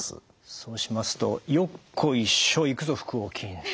そうしますと「よっこいしょいくぞ腹横筋」。